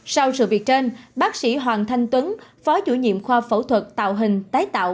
sau sự việc trên bác sĩ hoàng thanh tuấn phó chủ nhiệm khoa phẫu thuật tạo hình tái tạo